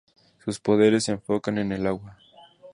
Sus poderes se enfocan en el agua.